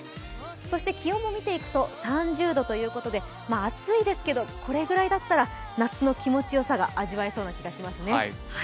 そして気温も見ていくと３０度ということで暑いですけどこれぐらいだったら夏の気持ちよさが味わえる感じがしますね。